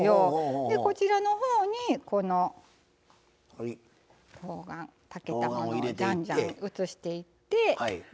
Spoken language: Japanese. こちらのほうにこのとうがん炊けたものをじゃんじゃん移していって。